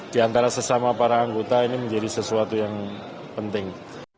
di antara sesama para anggota ini menjadi sesuatu yang penting